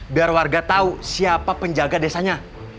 biar warga tahu siapa penjaga desanya